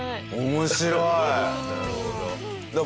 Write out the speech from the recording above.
面白いな。